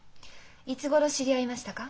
いつごろ知り合いましたか？